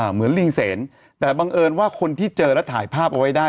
เหมือนลิงเสนแต่บังเอิญว่าคนที่เจอแล้วถ่ายภาพเอาไว้ได้